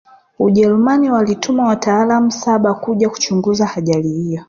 ujerumani walituma wataalamu saba kuja kuchunguza ajari hiyo